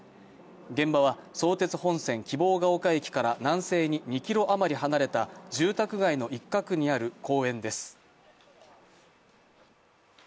現場は相鉄本線希望ケ丘駅から南西に２ｋｍ余り離れた住宅街の一角にある公園です。